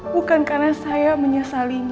bukan karena saya menyesalinya